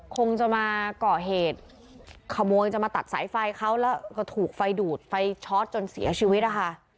คงจะมาก่อเหตุขโมยจะมาตัดสายไฟเขาแล้วก็ถูกไฟดูดไฟช็อตจนเสียชีวิตนะคะ